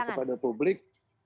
jadi saya minta kepada publik